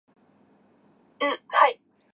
昨日の明日は今日だ